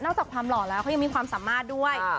นอกจากความหล่อของเขาและอีกมีความสามารถด้วย